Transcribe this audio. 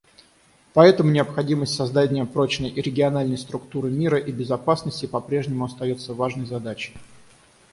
Поэтому необходимость создания прочной региональной структуры мира и безопасности попрежнему остается важной задачей.